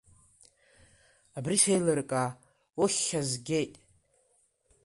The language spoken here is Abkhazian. Абри сеилыркаа, уххьазгеит!